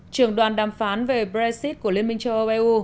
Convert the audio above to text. trường đoàn đàm phán về brexit của liên minh châu âu eu